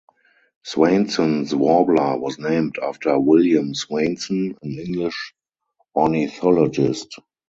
Swainson's warbler was named after William Swainson, an English ornithologist.